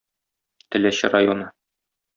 Теләче районы.